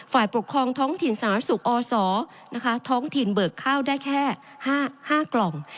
ฝ่ายปกครองท้องถิ่นสาธารณสุขอศท้องถิ่นเบิกข้าวได้แค่๕กล่อง